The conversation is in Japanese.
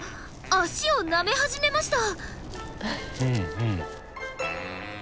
脚をなめ始めました。